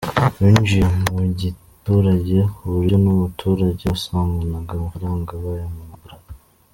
Binjiye mu giturage ku buryo n’umuturage basanganaga amafaranga bayambwamburaga.